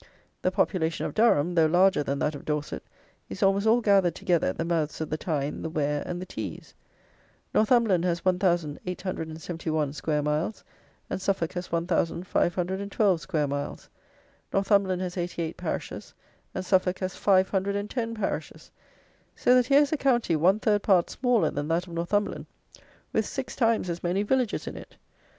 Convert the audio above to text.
The population of Durham, though larger than that of Dorset, is almost all gathered together at the mouths of the Tyne, the Wear, and the Tees. Northumberland has 1,871 square miles; and Suffolk has 1,512 square miles. Northumberland has eighty eight parishes; and Suffolk has five hundred and ten parishes. So that here is a county one third part smaller than that of Northumberland with six times as many villages in it!